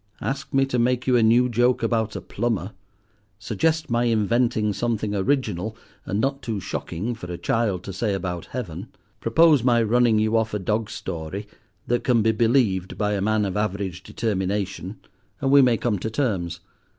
Ask me to make you a new joke about a plumber; suggest my inventing something original and not too shocking for a child to say about heaven; propose my running you off a dog story that can be believed by a man of average determination and we may come to terms.